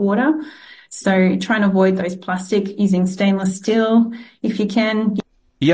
jadi kita mencoba untuk mengelakkan plastik dengan menggunakan plastik tanpa kain jika kita bisa